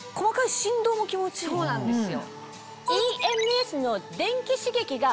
そうなんですよ。